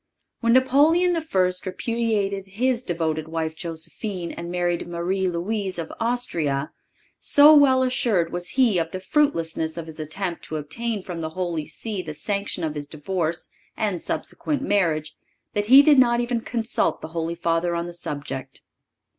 When Napoleon I. repudiated his devoted wife, Josephine, and married Marie Louise, of Austria, so well assured was he of the fruitlessness of his attempt to obtain from the Holy See the sanction of his divorce and subsequent marriage that he did not even consult the Holy Father on the subject.